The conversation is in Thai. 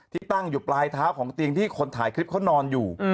ที่ตั้งอยู่ปลายเท้าของเตียงที่คนถ่ายคลิปเขานอนอยู่